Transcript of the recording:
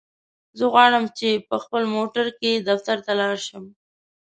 زه غواړم چی په خپل موټرکی دفترته لاړشم.